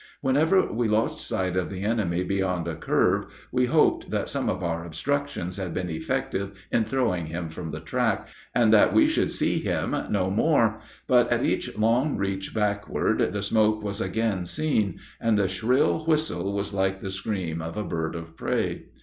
Whenever we lost sight of the enemy beyond a curve, we hoped that some of our obstructions had been effective in throwing him from the track, and that we should see him no more; but at each long reach backward the smoke was again seen, and the shrill whistle was like the scream of a bird of prey.